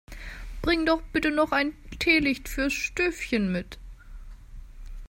Bring doch bitte noch ein Teelicht fürs Stövchen mit!